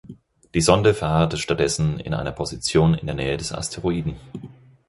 Die Sonde verharrte stattdessen in einer Position in der Nähe des Asteroiden.